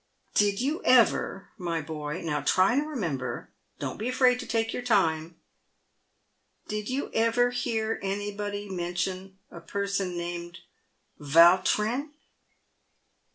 " Did you ever, my boy — now try and remember — don't be afraid to take your time — did you ever hear anybody mention a person named Vautrin ?"